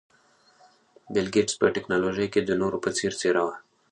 بل ګېټس په ټکنالوژۍ کې د نورو په څېر څېره وه.